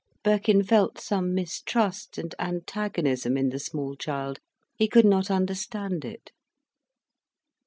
Birkin felt some mistrust and antagonism in the small child. He could not understand it.